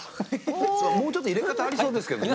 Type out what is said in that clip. もうちょっと入れ方ありそうですけどね。